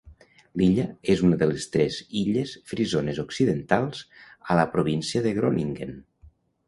L'illa és una de les tres Illes Frisones Occidentals a la província de Groningen.